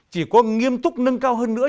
chỉ có nghiêm túc nâng cao hơn nữa